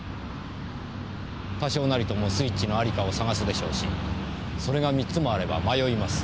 多少なりともスイッチのありかを探すでしょうしそれが３つもあれば迷います。